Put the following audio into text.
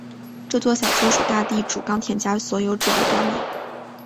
这座小丘属大地主冈田家所有而得名。